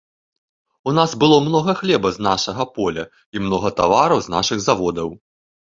У нас было многа хлеба з нашага поля і многа тавараў з нашых заводаў.